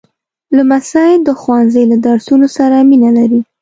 لمسی د ښوونځي له درسونو سره مینه لري.